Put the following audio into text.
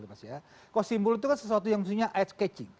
kalau simbol itu sesuatu yang misalnya eye catching